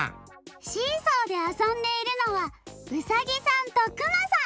シーソーであそんでいるのはうさぎさんとくまさん！